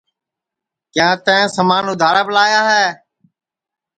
کیا تئیں سمان اُدھاراپ لیا ہے